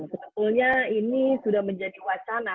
sebetulnya ini sudah menjadi wacana